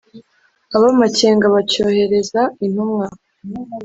Ab' amakenga bacyohereza intumwa